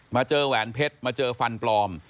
มาเจอแหวนเพชรมาเจอฟันปลอม